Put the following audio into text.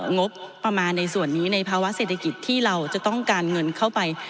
งบประมาณในส่วนนี้ในภาวะเศรษฐกิจที่เราจะต้องการเงินเข้าไป